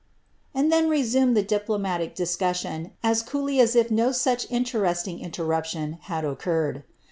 and then resumed the diploniiitic discussion as if no such intcreeliiig inlerruplion had occurred.